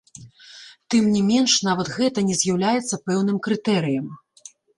Тым не менш, нават гэта не з'яўляецца пэўным крытэрыем.